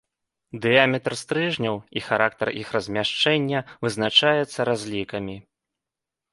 Дыяметр стрыжняў і характар іх размяшчэння вызначаецца разлікамі.